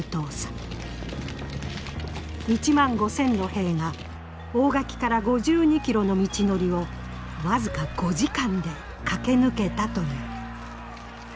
１万５，０００の兵が大垣から５２ｋｍの道のりを僅か５時間で駆け抜けたという。